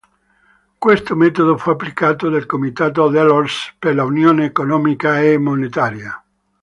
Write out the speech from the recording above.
Questo metodo fu applicato dal comitato Delors per l'Unione economica e monetaria.